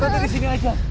bu ranti disini aja